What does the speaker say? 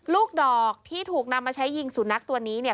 ลูกดอกที่ถูกนำมาใช้ยิงสุนัขตัวนี้เนี่ย